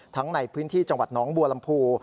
ในพื้นที่จังหวัดน้องบัวลำพู